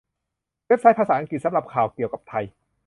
เว็บไซต์ภาษาอังกฤษ สำหรับข่าวเกี่ยวกับไทย